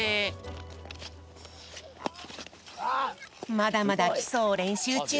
まだまだきそをれんしゅうちゅう。